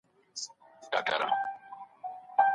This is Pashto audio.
د پوهنې په برخه کې نړیوال معیارونه باید په پام کې ونیول شي.